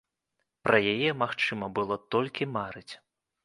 Пра яе магчыма было толькі марыць.